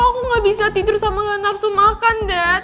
aku gak bisa tidur sama gak napsu makan dad